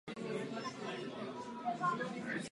Kupodivu jsou pacienti většinou klinicky zdraví.